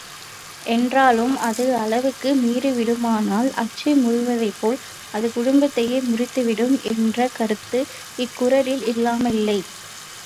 என்றாலும், அது அளவுக்கு மீறிவிடுமானால், அச்சு முறிவதைப்போல, அது குடும்பத்தையே முறித்துவிடும் என்ற கருத்தும் இக் குறளில் இல்லாமலில்லை.